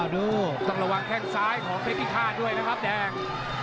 ดูต้องระวังแข้งซ้ายของเพชรพิฆาตด้วยนะครับแดง